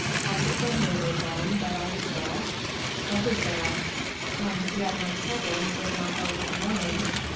"Has it been rumored, then, that I was dead?" "Everywhere." "And yet my children did not go into mourning."